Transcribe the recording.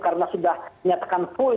karena sudah menyatakan full